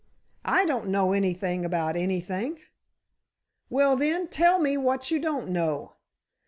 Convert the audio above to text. I don't know anything about anything." "Well, then tell me what you don't know.